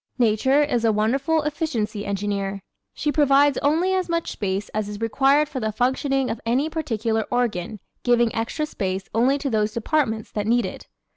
Nature is a wonderful efficiency engineer. She provides only as much space as is required for the functioning of any particular organ, giving extra space only to those departments that need it.